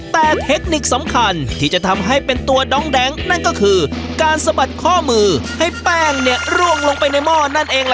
แต่เทคนิคสำคัญที่จะทำให้เป็นตัวด้องแดงนั่นก็คือการสะบัดข้อมือให้แป้งเนี่ยร่วงลงไปในหม้อนั่นเองล่ะ